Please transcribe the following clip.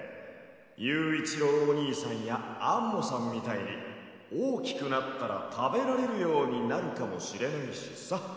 ゆういちろうおにいさんやアンモさんみたいにおおきくなったらたべられるようになるかもしれないしさ。